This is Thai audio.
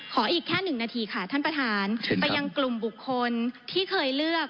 ขออีกแค่หนึ่งนาทีค่ะท่านประธานถึงกลุ่มบุคคลที่เคยเลือก